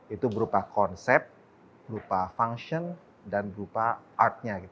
itu berupa konsep berupa function dan berupa art nya